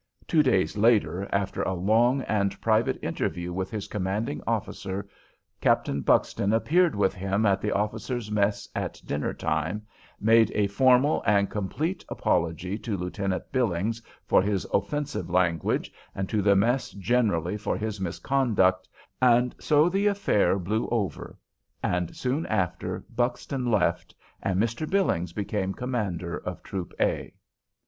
Two days later, after a long and private interview with his commanding officer, Captain Buxton appeared with him at the officers' mess at dinner time, made a formal and complete apology to Lieutenant Billings for his offensive language, and to the mess generally for his misconduct; and so the affair blew over; and, soon after, Buxton left, and Mr. Billings became commander of Troop "A."